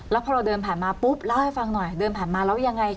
แล้วพอเราเดินผ่านมาปุ๊บเล่าให้ฟังหน่อยเดินผ่านมาแล้วยังไง